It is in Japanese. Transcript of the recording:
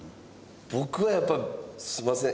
僕はやっぱりすみません。